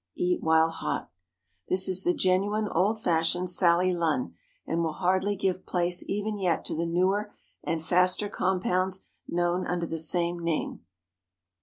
Eat while hot. This is the genuine old fashioned Sally Lunn, and will hardly give place even yet to the newer and faster compounds known under the same name.